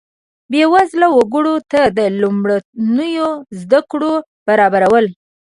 بیوزله وګړو ته د لومړنیو زده کړو برابرول.